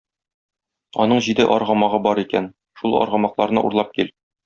Аның җиде аргамагы бар икән, шул аргамакларны урлап кил.